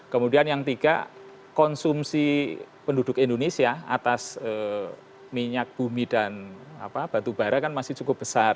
kemudian yang tiga konsumsi penduduk indonesia atas minyak bumi dan batu bara kan masih cukup besar